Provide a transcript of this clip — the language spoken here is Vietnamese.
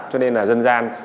cho nên là dân gian